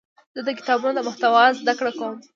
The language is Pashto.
زه د کتابونو د محتوا زده کړه کوم.